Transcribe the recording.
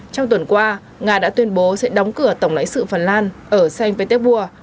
trong tuần qua nga đã tuyên bố sẽ đóng cửa tổng lãnh sự phần lan ở saint petersburg